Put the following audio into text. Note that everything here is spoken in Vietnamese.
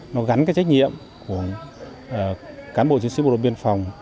nó gắn cái trách nhiệm của cán bộ chiến sĩ bộ đội biên phòng